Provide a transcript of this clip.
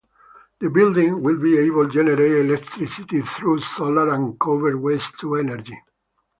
The building will be able generate electricity through solar and convert waste to energy.